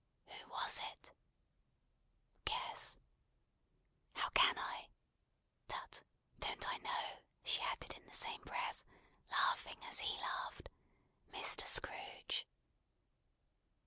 "Who was it?" "Guess!" "How can I? Tut, don't I know?" she added in the same breath, laughing as he laughed. "Mr. Scrooge."